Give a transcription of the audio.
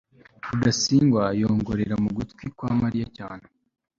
rudasingwa yongorera mu gutwi kwa mariya cyane